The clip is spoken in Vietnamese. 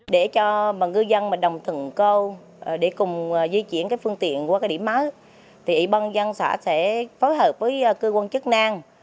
để cho ngư dân đồng thần câu để cùng di chuyển phương tiện qua điểm máy thì ủy ban nhân dân sẽ phối hợp với cơ quan chức năng